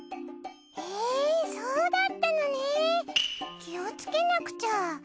へぇそうだったのね気をつけなくちゃ。